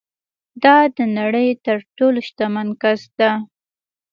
دا د نړۍ تر ټولو شتمن کس ده